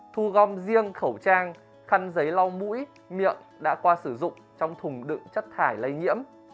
thu gom riêng khẩu trang khăn giấy lau mũi miệng đã qua sử dụng trong thùng đựng chất thải lây nhiễm